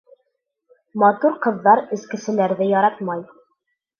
Матур ҡыҙҙар эскеселәрҙе яратмай.